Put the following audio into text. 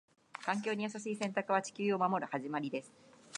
環境に優しい選択は、地球を守る始まりです。